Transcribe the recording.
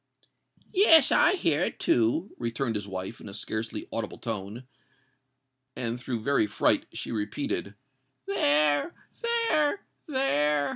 "Yes—I hear it too!" returned his wife, in a scarcely audible tone: and, through very fright, she repeated, "There—there—there!"